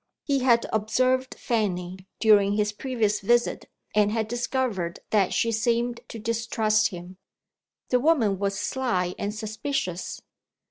He had observed Fanny, during his previous visit, and had discovered that she seemed to distrust him. The woman was sly and suspicious.